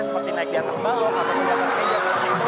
seperti naik di atas balong atau di atas keja